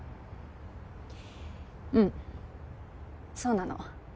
うんそうなの。